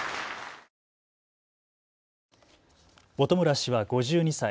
本村氏は５２歳。